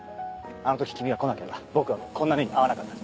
あの時君が来なければ僕はこんな目に遭わなかった。